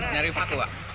nyari paku pak